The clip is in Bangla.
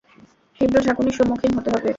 তীব্র ঝাঁকুনির সম্মুখীন হতে হবে!